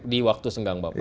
di waktu senggang bapak